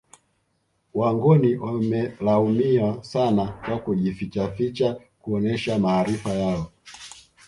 Wangoni wamelaumiwa sana kwa kujifichaficha kuonesha maarifa yao